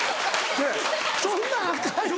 そんなんアカンやろ。